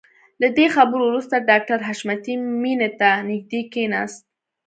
له دې خبرو وروسته ډاکټر حشمتي مينې ته نږدې کښېناست.